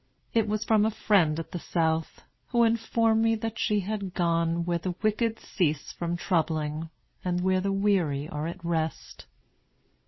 It was from a friend at the South, who informed me that she had gone 'where the wicked cease from troubling, and where the weary are at rest.'